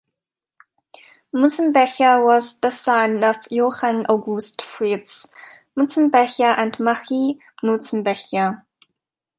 Mutzenbecher was the son of Johann August Fritz Mutzenbecher and Marie Mutzenbecher.